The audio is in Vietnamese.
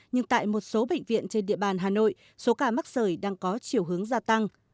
nhưng tại một số bệnh viện trên địa bàn hà nội số ca mắc sởi đang có chiều hướng gia tăng